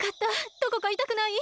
どこかいたくない？